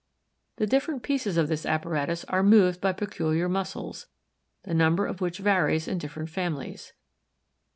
The different pieces of this apparatus are moved by peculiar muscles, the number of which varies in different families.